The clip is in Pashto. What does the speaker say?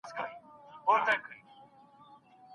بيا يو ځای سو